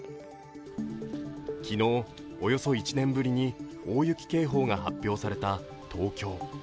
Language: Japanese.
昨日、およそ１年ぶりに大雪警報が発表された東京。